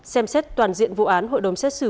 xem xét toàn diện vụ án hội đồng xét xử